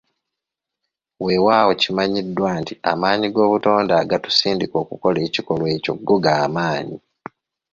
Weewaawo kimanyiddwa nti amaanyi g'obutonde agatusindika okukola ekikolwa ekyo go gamaanyi.